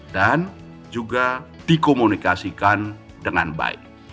dan juga dikomunikasikan dengan baik